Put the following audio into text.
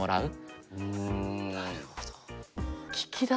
なるほど。